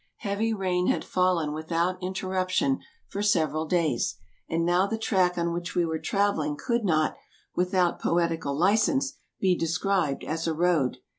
Heavy rain had fallen without interruption for 206 TRAVELERS AND EXPLORERS several days, and now the track on which we were traveling1 could not, without poetical license, be described as a road.